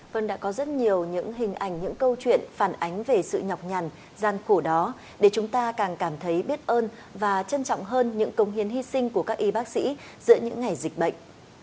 vâng đã có rất nhiều những hình ảnh những câu chuyện phản ánh về sự nhọc nhằn gian khổ đó để chúng ta càng cảm thấy biết ơn và trân trọng hơn những công hiến hy sinh của các y bác sĩ giữa những ngày dịch bệnh